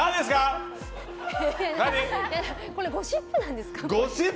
これ、ゴシップなんですか？